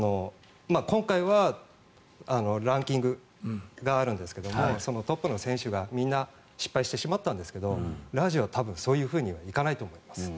今回はランキングがあるんですがそのトップの選手がみんな失敗してしまったんですけどラージはそういうふうにはいかないと思います。